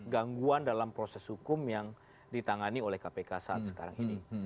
gangguan dalam proses hukum yang ditangani oleh kpk saat sekarang ini